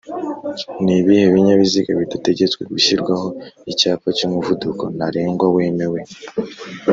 ni bihe binyabiziga bidategetswe gushyirwaho Icyapa cy’umuvuduko ntarengwa wemewe